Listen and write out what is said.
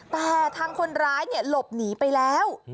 แต่ทางคนร้ายหลบหนีไปแล้ว